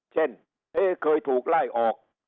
เช่นเคยถูกไล่ออก